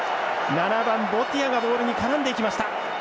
７番、ボティアがボールに絡んでいきました。